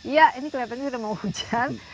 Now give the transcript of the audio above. iya ini kelihatannya sudah mau hujan